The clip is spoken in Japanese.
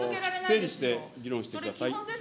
整理して議論してください。